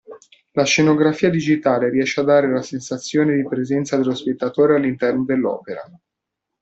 La scenografia digitale riesce a dare la sensazione di presenza dello spettatore all'interno dell'opera.